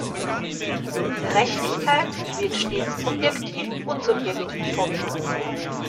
Gerechtigkeit wird stets objektiv und subjektiv vorgenommen.